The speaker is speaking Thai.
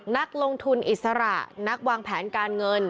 นักลงทุนอิสระนักวางแผนการเงิน